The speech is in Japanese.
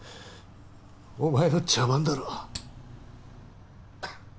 お前の茶番だろ。